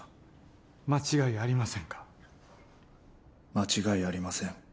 間違いありません